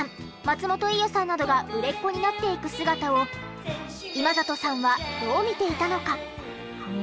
松本伊代さんなどが売れっ子になっていく姿を今里さんはどう見ていたのか？